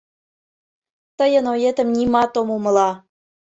— Тыйын оетым нимат ом умыло...